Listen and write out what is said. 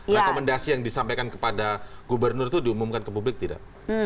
rekomendasi yang disampaikan kepada gubernur itu diumumkan ke publik tidak